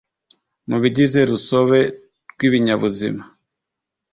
mu bigize rusobe rw’ibinyabuzima,